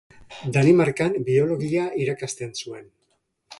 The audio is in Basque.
Danimarkan biologia irakasten zuen.